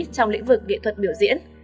trong lĩnh vực nghệ thuật bình thường